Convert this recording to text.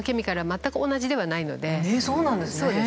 そうなんですね！